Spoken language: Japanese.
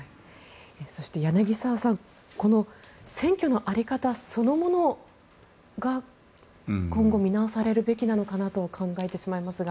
そして、柳澤さん選挙の在り方そのものが今後見直されるべきなのかなと考えてしまいますが。